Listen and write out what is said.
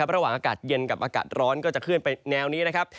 อากาศเย็นกับอากาศร้อนก็จะเคลื่อนไปแนวนี้นะครับ